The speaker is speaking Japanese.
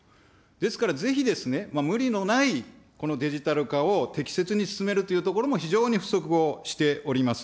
ですから、ぜひですね、無理のないこのデジタル化を適切に進めるというところも非常にふそくをしております。